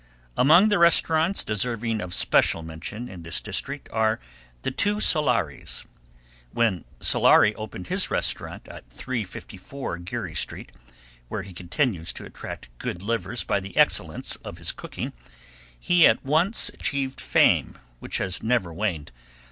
Among the restaurants deserving of special mention in this district are the two Solaris. When Solari opened his restaurant at 354 Geary street, where he continues to attract good livers by the excellence of his cooking, he at once achieved fame which has never waned.